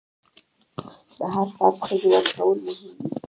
د هر فرد ښه ژوند کول مهم دي.